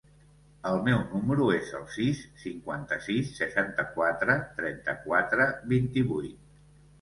El meu número es el sis, cinquanta-sis, seixanta-quatre, trenta-quatre, vint-i-vuit.